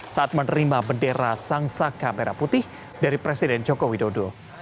saat menerima bendera sangsaka merah putih dari presiden joko widodo